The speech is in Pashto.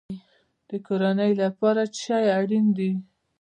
د کورنۍ لپاره څه شی اړین دی؟